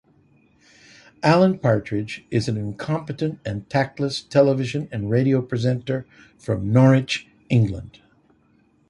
Alan Partridge is an incompetent and tactless television and radio presenter from Norwich, England.